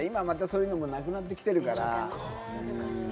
今またそういうのもなくなってきてるから。